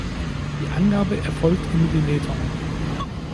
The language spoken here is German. Die Angabe erfolgt in Millimetern.